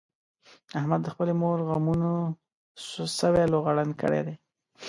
احمد د خپلې مور غمونو سوی لوغړن کړی دی.